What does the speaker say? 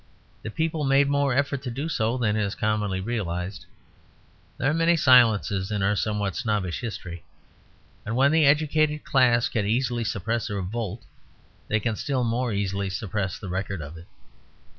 The people made more effort to do so than is commonly realized. There are many silences in our somewhat snobbish history; and when the educated class can easily suppress a revolt, they can still more easily suppress the record of it.